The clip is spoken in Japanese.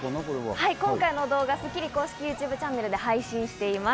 はい今回の動画『スッキリ』公式ＹｏｕＴｕｂｅチャンネルで配信しています。